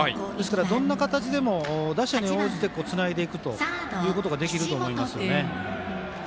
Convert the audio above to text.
どんな形でも打者に応じてつないでいくということができると思いますよね。